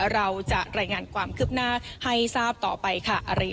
เราจะรายงานความคืบหน้าให้ทราบต่อไปค่ะ